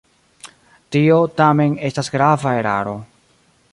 Tio, tamen, estas grava eraro.